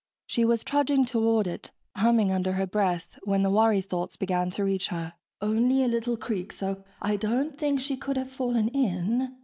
She was trudging toward it, humming under her breath, when the worry thoughts began to reach her. (... only a little creek so I don't think she could have fallen in